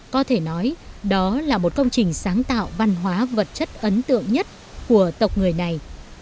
có thể nói đó là một công trình sáng tạo văn hóa vật chất ấn tượng nhất của tộc người này